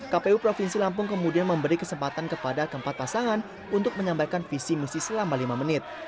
kpu provinsi lampung kemudian memberi kesempatan kepada keempat pasangan untuk menyampaikan visi misi selama lima menit